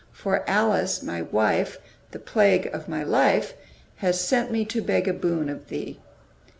For Alice my wife, The plague of my life, Has sent me to beg a boon of thee!"